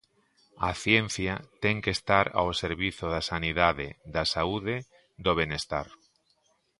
A ciencia ten que estar ao servizo da sanidade, da saúde, do benestar.